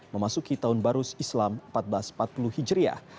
memasuki tahun barus islam seribu empat ratus empat puluh hijriah